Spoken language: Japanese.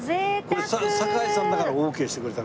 これ堺さんだからオーケーしてくれた。